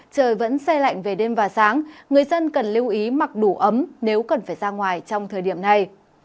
trời vẫn xe lạnh về đêm và sáng người dân cần lưu ý mặc đủ ấm nếu cần phải ra ngoài trong thời điểm này